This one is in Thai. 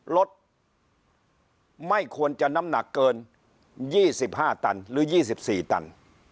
รถไม่ควรจะน้ำหนักเกินยี่สิบห้าตันหรือยี่สิบสี่ตัน